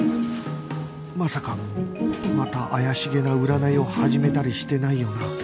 まさかまた怪しげな占いを始めたりしてないよな？